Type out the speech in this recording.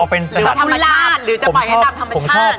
เอาเป็นสถานที่ธรรมชาติ